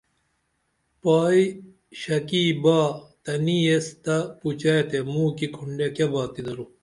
پائی شکی با تنی یس تہ پوچے تے موکی کھنڈے کیہ باتی درو